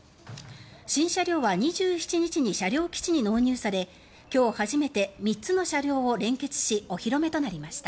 新車両は２７日に車両基地に納入され今日初めて３つの車両を連結しお披露目となりました。